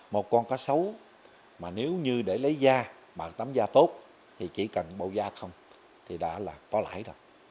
một con cá sấu mà nếu như để lấy da bằng tấm da tốt thì chỉ cần bầu da không thì đã là có lãi rồi